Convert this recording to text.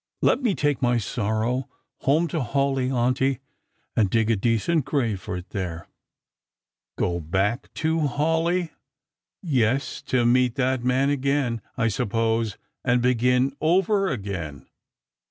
Let me take my sorrow home to Hawleigh, auntie, and dig a decent grave for it there." " Go back to Hawleigh ! Yes ; to meet that man again, I suppose, and begin over again."